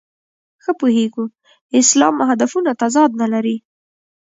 ښه پوهېږو اسلام هدفونو تضاد نه لري.